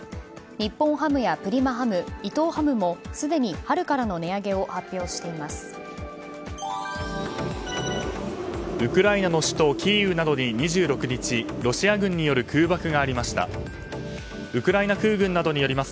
日本ハムやプリマハム、伊藤ハムもすでに春からの値上げを発表しています。